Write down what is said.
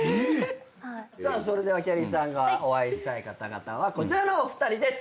さあそれではきゃりーさんがお会いしたい方々はこちらのお二人です！